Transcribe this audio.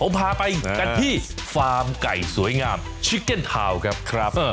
ผมพาไปกันที่ฟาร์มไก่สวยงามชิเก็นทาวน์ครับ